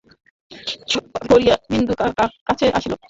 ইতস্তত করিয়া বিন্দু কাছে আসিল।